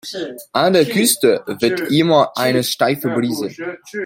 An der Küste weht immer eine steife Brise.